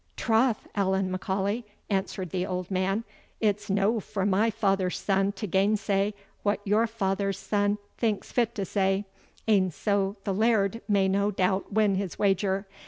"Troth, Allan M'Aulay," answered the old man, "it's no for my father's son to gainsay what your father's son thinks fit to say, an' so the Laird may no doubt win his wager.